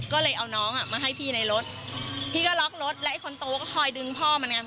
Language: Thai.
ก็เลยเอาน้องอ่ะมาให้พี่ในรถพี่ก็ล็อกรถแล้วไอ้คนโตก็คอยดึงพ่อเหมือนกัน